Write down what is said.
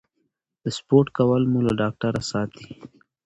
سپورت کول مو له ډاکټره ساتي.